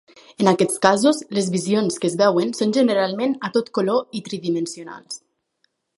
En aquests casos, les visions que es veuen són generalment a tot color i tridimensionals.